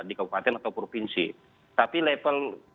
di kabupaten atau provinsi tapi level